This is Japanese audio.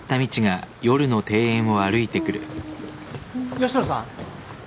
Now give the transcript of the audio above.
吉野さん？